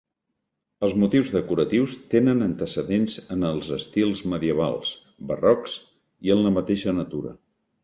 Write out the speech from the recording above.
Els motius decoratius tenen antecedents en els estils medievals, barrocs i en la mateixa natura.